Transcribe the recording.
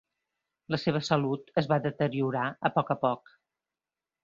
La seva salut es va deteriorar a poc a poc.